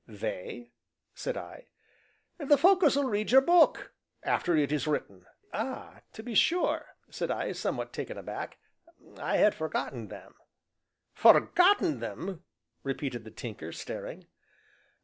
"They?" said I. "The folk as will read your book after it is written." "Ah! to be sure," said I, somewhat taken aback; "I had forgotten them." "Forgotten them?" repeated the Tinker, staring.